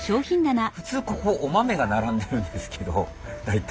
普通ここお豆が並んでるんですけど大体。